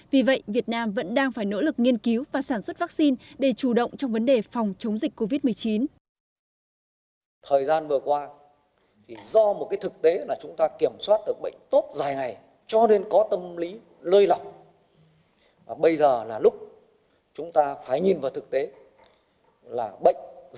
vì vậy việt nam vẫn đang phải nỗ lực nghiên cứu và sản xuất vaccine để chủ động trong vấn đề phòng chống dịch covid một mươi chín